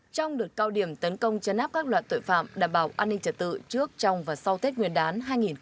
trong đợt cao điểm tấn công chấn áp các loạt tội phạm đảm bảo an ninh trật tự trước trong và sau tết nguyên đán hai nghìn hai mươi bốn